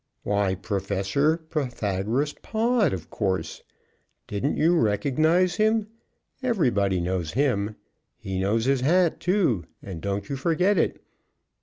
"Why, Professor Pythagoras Pod, of course. Didn't you recognize him? Everybody knows him. He knows his hat, too, and don't you forget it.